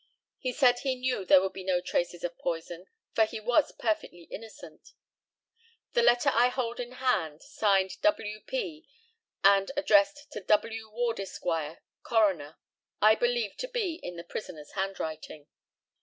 He said he knew there would be no traces of poison, for he was perfectly innocent. The letter I hold in hand, signed "W. P." and addressed to "W. Ward, Esq., Coroner," I believe to be in the prisoner's handwriting.